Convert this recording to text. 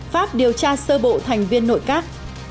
pháp điều tra sơ bộ thành viên nội các